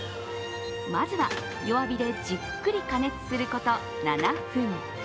まずは、弱火でじっくり加熱すること７分。